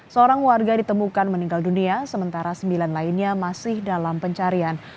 seorang warga ditemukan meninggal dunia sementara sembilan lainnya masih dalam pencarian